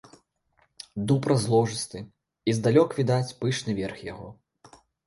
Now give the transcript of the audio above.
Дуб разложысты, і здалёк відаць пышны верх яго.